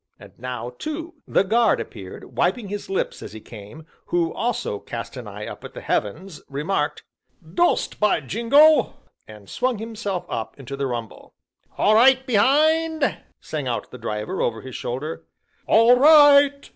And now, too, the Guard appeared, wiping his lips as he came, who also cast an eye up at the heavens, remarked: "Dust, by Jingo!" and swung himself up into the rumble. "All right behind?" sang out the Driver, over his shoulder. "All right!"